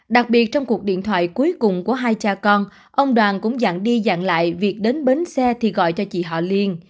đặc biệt trong cuộc điện thoại cuối cùng của hai cha con ông đoàn cũng dặn đi dặn lại việc đến bến xe thì gọi cho chị họ liên